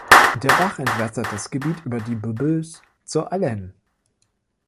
Der Bach entwässert das Gebiet über die Bourbeuse zur Allaine.